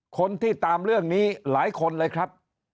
คนที่ตามเรื่องนี้หลายคนเลยครับ